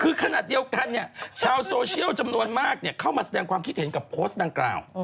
คือขนาดเดียวกันเนี่ยชาวโซเชียลจำนวนมากเข้ามาแสดงความคิดเห็นกับโพสต์ดังกล่าว